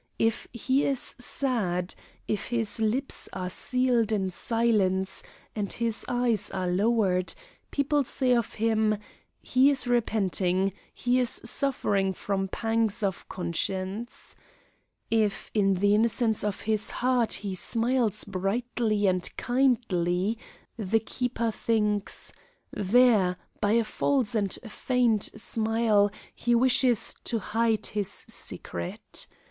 If he is sad, if his lips are sealed in silence, and his eyes are lowered, people say of him: 'He is repenting; he is suffering from pangs of conscience.' "If in the innocence of his heart he smiles brightly and kindly, the keeper thinks: 'There, by a false and feigned smile, he wishes to hide his secret.